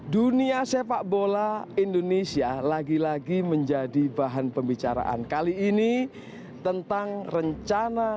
dunia sepak bola indonesia lagi lagi menjadi bahan pembicaraan kali ini tentang rencana